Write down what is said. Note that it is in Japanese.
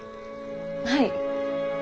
はい？